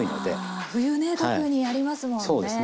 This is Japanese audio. あ冬ね特にありますもんね。